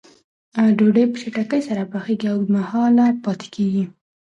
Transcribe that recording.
ډوډۍ په چټکۍ سره پخیږي او اوږد مهاله پاتې کېږي.